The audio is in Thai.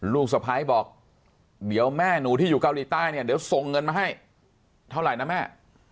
ลูกสะพ้ายบอกเดี๋ยวแม่หนูที่อยู่เกาหลีใต้เนี่ยเดี๋ยวส่งเงินมาให้เท่าไหร่นะแม่